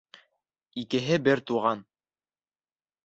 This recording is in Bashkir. Икеһе бер туған